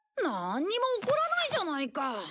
なんにも起こらないじゃないか。